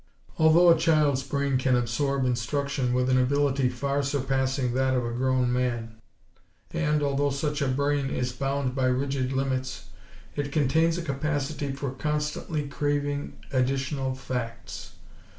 Although a child's brain can absorb instruction with an ability far surpassing that of a grown man; and, although such a young brain is bound by rigid limits, it contains a capacity for constantly craving additional facts.